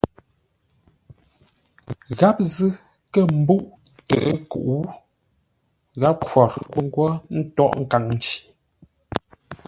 Gháp zʉ́ kə̂ ḿbə́uʼ tə ə́ kuʼ, gháp khwor ńgwó ńtághʼ nkaŋ nci.